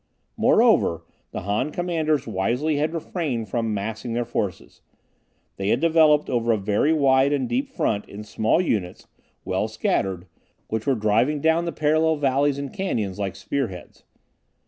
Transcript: Moreover, the Han commanders wisely had refrained from massing their forces. They had developed over a very wide and deep front, in small units, well scattered, which were driving down the parallel valleys and canyons like spearheads.